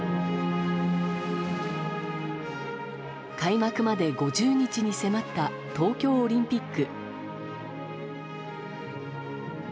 開幕まで５０日に迫った東京オリンピック。